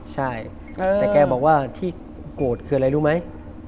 ใช่แต่แกบอกว่าที่โกรธคืออะไรรู้ไหม